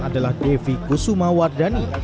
adalah devi kusuma wardani